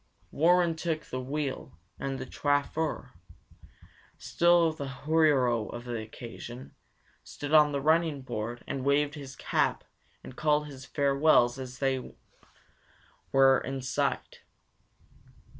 Warren took the wheel, and the chauffeur, still the hero of the occasion, stood on the running board and waved his cap and called his farewells as long as they were in sight.